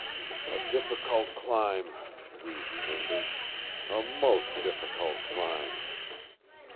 "A difficult climb," wheezed Fingers. "A most difficult climb."